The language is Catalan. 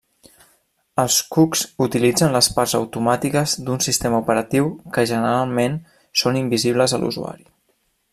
Els cucs utilitzen les parts automàtiques d'un sistema operatiu que generalment són invisibles a l'usuari.